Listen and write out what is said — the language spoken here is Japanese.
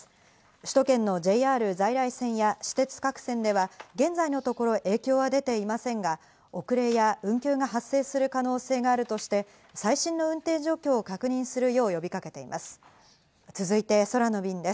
首都圏のＪＲ在来線や私鉄各線では現在のところ影響は出ていませんが、遅れや運休が発生する可能性があるとして、最新の運転状況を確認するよう呼びかけています。